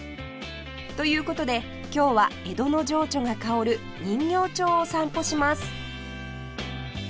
という事で今日は江戸の情緒が薫る人形町を散歩します